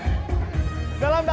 zumba membuat keringat lebih banyak